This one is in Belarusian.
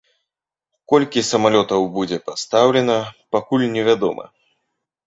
Колькі самалётаў будзе пастаўлена, пакуль невядома.